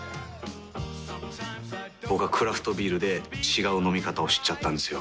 僕はクラフトビールで違う飲み方を知っちゃったんですよ。